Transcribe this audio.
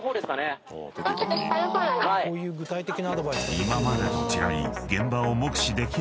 ［今までと違い］